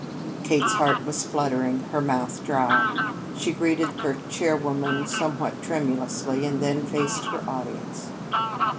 Kate's heart was fluttering, her mouth dry. She greeted her chairwoman somewhat tremulously, and then faced her audience.